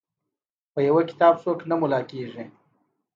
په یو کتاب څوک نه ملا کیږي.